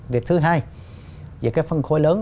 việc thứ hai về phân khối lớn